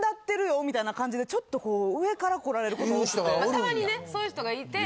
たまにねそういう人がいて。